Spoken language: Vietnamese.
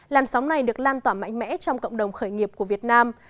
làn sóng này được lan tỏa mạnh mẽ trong cộng đồng khởi nghiệp của việt nam